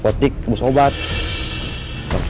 perasaan apa kamu kemarin ke rumah yuyun